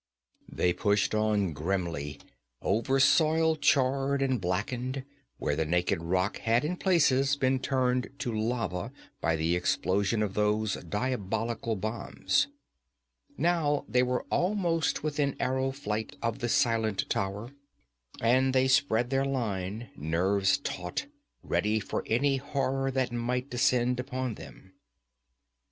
They pushed on grimly, over soil charred and blackened, where the naked rock had in places been turned to lava by the explosion of those diabolical bombs. Now they were almost within arrow flight of the silent tower, and they spread their line, nerves taut, ready for any horror that might descend upon them.